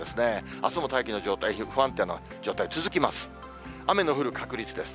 あすも大気の状態、不安定な状態続きます。